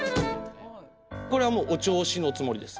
これはもうお銚子のつもりです。